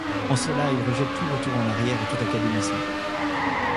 En cela il rejette tout retour en arrière et tout académisme.